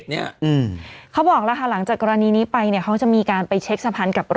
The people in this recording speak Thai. นี่กี่ปีแล้วว่าทางพระราม๒เนี่ยหลายปีมากแล้วนะ